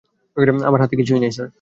আমার হাতে কিছুই নেই, স্যার।